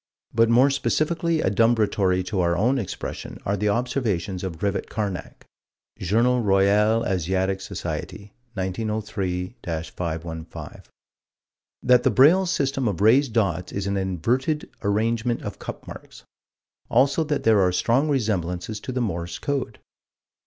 But more specifically adumbratory to our own expression are the observations of Rivett Carnac (Jour. Roy. Asiatic Soc., 1903 515): That the Braille system of raised dots is an inverted arrangement of cup marks: also that there are strong resemblances to the Morse code.